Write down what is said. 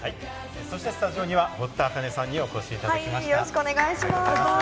スタジオには堀田茜さんにお越しいただきました。